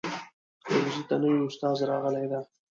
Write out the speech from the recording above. ښوونځي ته نوي استاد راغلی ده